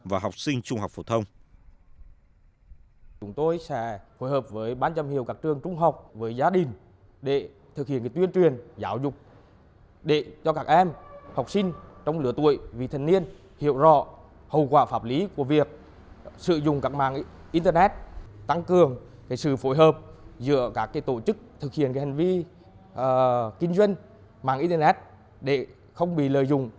và học sinh trung học phổ thông